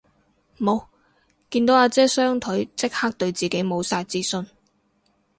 無，見到阿姐雙腿即刻對自己無晒自信